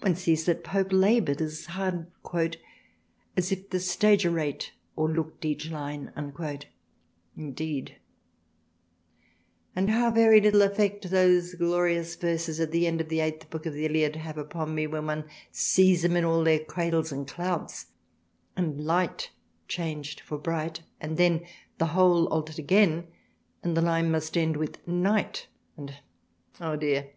one sees that Pope laboured as hard as if" the Stagyrite o'er looked each line, indeed : and how very little effect those glorious verses at the end of the 8th Book of the Iliad have upon me ; when one sees 'em all in their Cradles and Clouts and Light changed for Bright, and then the whole altered again and the line must end with Night and Oh Dear